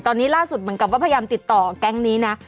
ตอนนี้ล่าสุดเหมือนกับว่าพยายามติดต่อแก๊งนี้นะ